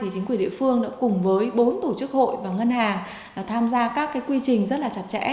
chính quyền địa phương đã cùng với bốn tổ chức hội và ngân hàng tham gia các quy trình rất chặt chẽ